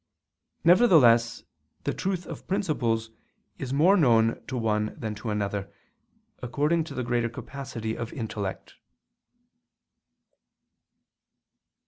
Nevertheless the truth of principles is more known to one than to another, according to the greater capacity of intellect.